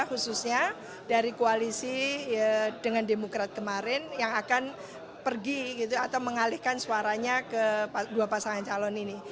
khususnya dari koalisi dengan demokrat kemarin yang akan pergi atau mengalihkan suaranya ke dua pasangan calon ini